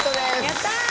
やったー！